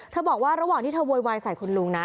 บอกว่าระหว่างที่เธอโวยวายใส่คุณลุงนะ